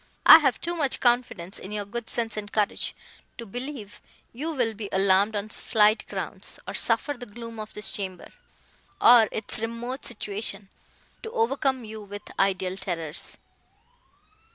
I have too much confidence in your good sense and courage to believe you will be alarmed on slight grounds; or suffer the gloom of this chamber, or its remote situation, to overcome you with ideal terrors.